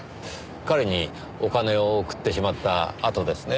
彼にお金を送ってしまったあとですね？